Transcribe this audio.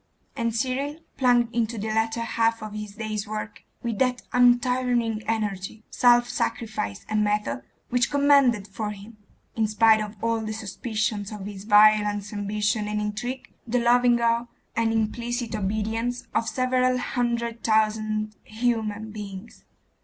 and Cyril plunged into the latter half of his day's work with that untiring energy, self sacrifice, and method, which commanded for him, in spite of all suspicions of his violence, ambition, and intrigue, the loving awe and implicit obedience of several hundred thousand human beings.